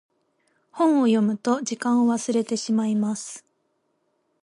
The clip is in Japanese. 本を読むと時間を忘れてしまいます。